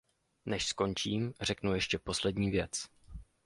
Než skončím, řeknu ještě poslední věc.